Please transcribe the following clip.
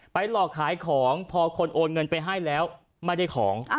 หลอกขายของพอคนโอนเงินไปให้แล้วไม่ได้ของ